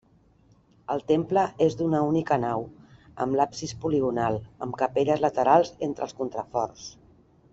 El temple és d’una única nau, amb l’absis poligonal, amb capelles laterals entre els contraforts.